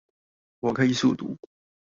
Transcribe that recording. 我可以速讀